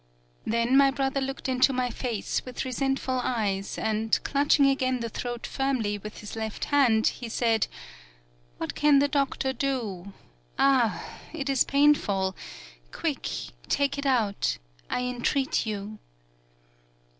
Then my brother looked into my face with resentful eyes, and, clutching again the throat firmly with his left hand, he said: 'What can the doctor do? Ah! it is painful! Quick, take it out. I entreat you.'